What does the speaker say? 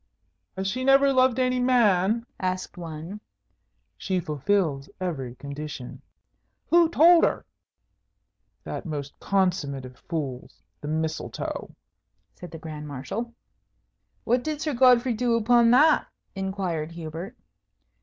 "Has she never loved any man?" asked one. "She fulfils every condition." "Who told her?" "That most consummate of fools, the Mistletoe," said the Grand Marshal. "What did Sir Godfrey do upon that?" inquired Hubert.